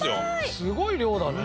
すごい量だね。